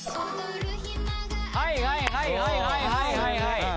はいはいはいはいはいはいはいはい！